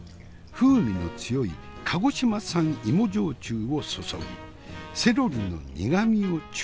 風味の強い鹿児島産芋焼酎を注ぎセロリの苦みを抽出。